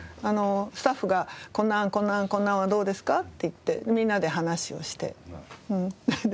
スタッフがこんな案こんな案こんな案はどうですか？って言ってみんなで話をして。